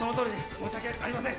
申し訳ありません。